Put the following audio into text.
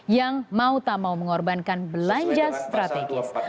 yang mau tak mau mengorbankan belanja strategis